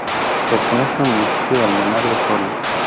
Pertenece al municipio de Almenar de Soria.